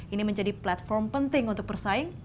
ini menjadi platform penting untuk bersaing